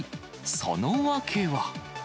その訳は。